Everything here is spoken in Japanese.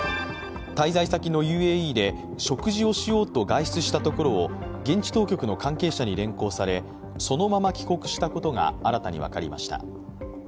滞在先のＵＡＥで食事をしようと外出したところを現地当局の関係者に連行されそのまま帰国したことが新たに分かりました。